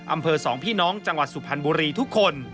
อำเภอสองพี่น้องจังหวัดสุพรรณบุรีทุกคน